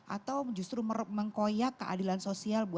atau justru mengkoyak keadilan sosial buat kepadanya